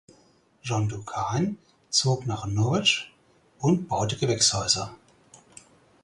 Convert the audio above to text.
John Du Cann zog nach Norwich und baute Gewächshäuser.